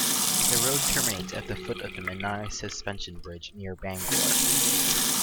The road terminates at the foot of the Menai Suspension Bridge near Bangor.